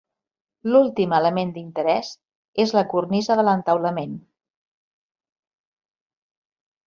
L'últim element d'interès és la cornisa de l'entaulament.